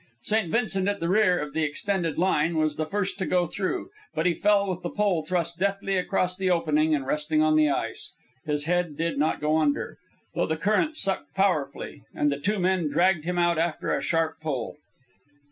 St. Vincent, at the rear of the extended line, was the first to go through, but he fell with the pole thrust deftly across the opening and resting on the ice. His head did not go under, though the current sucked powerfully, and the two men dragged him out after a sharp pull.